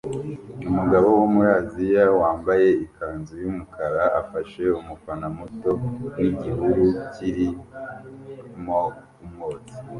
Umugabo wo muri Aziya wambaye ikanzu yumukara afashe umufana muto nigihuru kirimo umwotsi